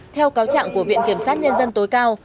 theo cáo trạng của viện kiểm sát nhân dân tối cao